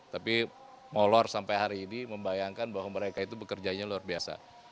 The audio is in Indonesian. tapi molor sampai hari ini membayangkan bahwa mereka itu bekerjanya luar biasa